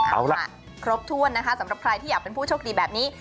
เอาล่ะครบถ้วนนะคะสำหรับใครที่อยากเป็นผู้โชคดีแบบนี้